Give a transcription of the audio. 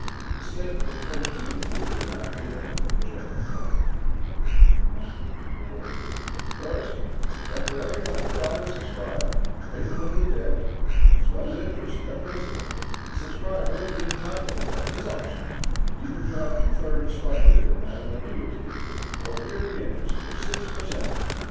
The statement of the first two will give an idea of their general character: "First, That, for every hundred dollars subscribed, payable in the debt, (as well interest as principal,) the subscriber be entitled, at his option, either to have two thirds funded at an annuity or yearly interest of six per cent.